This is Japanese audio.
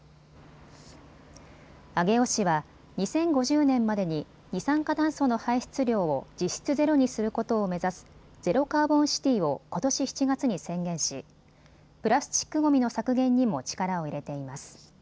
上尾市は２０５０年までに二酸化炭素の排出量を実質ゼロにすることを目指すゼロカーボンシティをことし７月に宣言し、プラスチックごみの削減にも力を入れています。